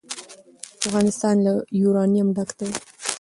افغانستان له یورانیم ډک دی.